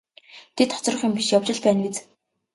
Тэд хоцрох юм биш явж л байна биз.